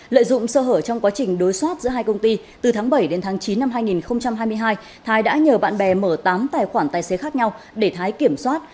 lợi dụng sơ hở trong quá trình đối soát giữa hai công ty từ tháng bảy đến tháng chín năm hai nghìn hai mươi hai thái đã nhờ bạn bè mở tám tài khoản tài xế khác nhau để thái kiểm soát